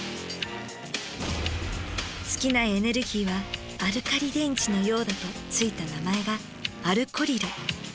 尽きないエネルギーはアルカリ電池のようだと付いた名前が「アルコリル」。